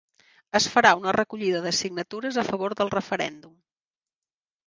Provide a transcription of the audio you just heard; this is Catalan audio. Es farà una recollida de signatures a favor del referèndum